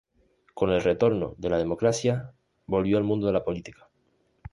Con el retorno de la democracia volvió al mundo de la política.